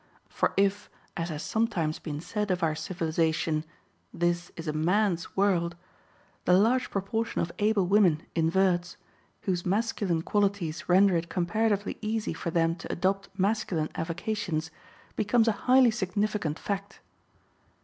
For if, as has sometimes been said of our civilization, "this is a man's world," the large proportion of able women inverts, whose masculine qualities render it comparatively easy for them to adopt masculine avocations, becomes a highly significant fact.